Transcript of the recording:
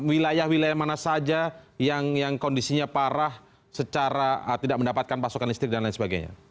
wilayah wilayah mana saja yang kondisinya parah secara tidak mendapatkan pasokan listrik dan lain sebagainya